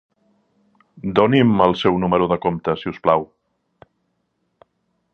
Doni'm el seu número de compte si us plau.